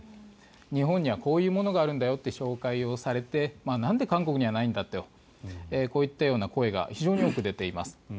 日本にはこういうものがあるんだよと紹介をされてなんで韓国にはないんだってこういった声が非常に多く出ています。